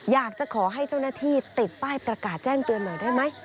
อยากจะขอให้เจ้าหน้าที่ติดป้ายประกาศแจ้งเตือนหน่อยได้ไหม